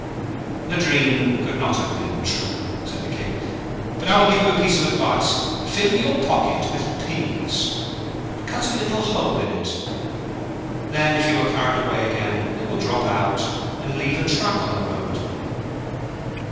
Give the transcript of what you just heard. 'The dream could not have been true,' said the King. 'But I will give you a piece of advice. Fill your pocket with peas, and cut a little hole in it, then if you are carried away again, they will drop out and leave a track on the road.'